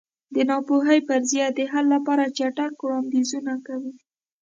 د ناپوهۍ فرضیه د حل لپاره چټک وړاندیزونه کوي.